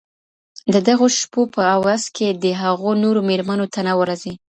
د دغو شپو په عوض کي دي هغو نورو ميرمنو ته نه ورځي.